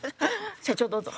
社長どうぞ。